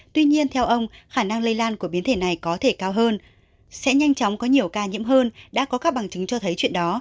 tuy nhiên theo ông khả năng lây lan của biến thể này có thể cao hơn sẽ nhanh chóng có nhiều ca nhiễm hơn đã có các bằng chứng cho thấy chuyện đó